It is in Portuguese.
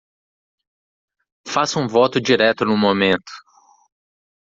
Faça um voto direto no momento